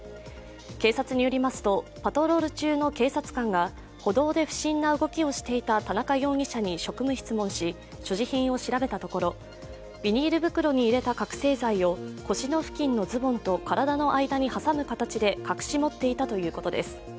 警察によりますと、パトロール中の警察官が歩道で不審な動きをしていた田中容疑者に職務質問し、所持品を調べたところビニール袋に入れた覚醒剤を腰の付近のズボンと体の間に挟む形で隠し持っていたということです。